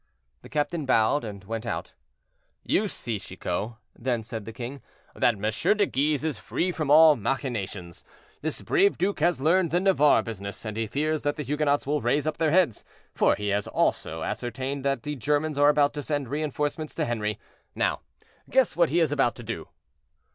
The captain bowed and went out. "You see, Chicot," then said the king, "that M. de Guise is free from all machinations. This brave duke has learned the Navarre business, and he fears that the Huguenots will raise up their heads, for he has also ascertained that the Germans are about to send re enforcements to Henri. Now, guess what he is about to do."